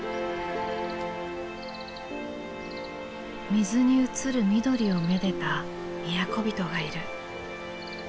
水に映る緑をめでた都人がいる。